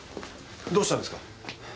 どうしたんですか？